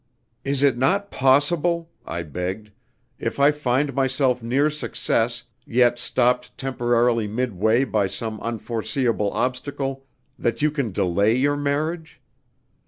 "Is it not possible," I begged, "if I find myself near success, yet stopped temporarily midway by some unforeseen obstacle, that you can delay your marriage?